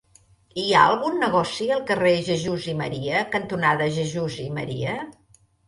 Hi ha algun negoci al carrer Jesús i Maria cantonada Jesús i Maria?